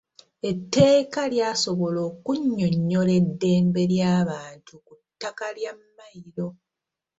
Etteeka lyasobola okunnyonnyola eddembe ly'abantu ku ttaka lya mmayiro.